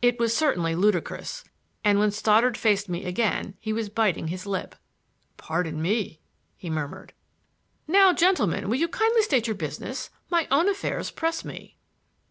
It was certainly ludicrous, and when Stoddard faced me again he was biting his lip. "Pardon me!" he murmured. "Now, gentlemen, will you kindly state your business? My own affairs press me."